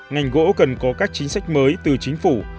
ngành gỗ cần có các chính sách mới từ chính phủ